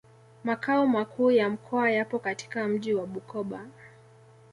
Makao makuu ya mkoa yapo katika mji wa Bukoba